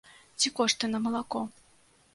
Ці кошты на малако.